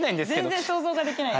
全然想像ができない。